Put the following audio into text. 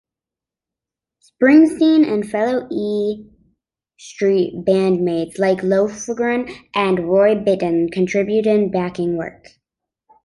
Springsteen and fellow E Street bandmates, like Lofgren and Roy Bittan, contributed backing work.